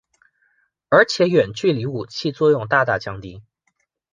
而且远距离武器作用大大降低。